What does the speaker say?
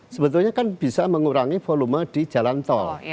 sebetulnya kan bisa mengurangi volume di jalan tol